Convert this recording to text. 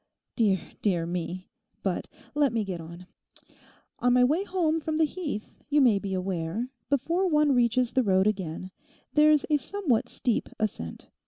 Dear, dear me? But let me get on. On my way home from the Heath, you may be aware, before one reaches the road again, there's a somewhat steep ascent.